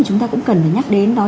chúng ta cũng cần nhắc đến đó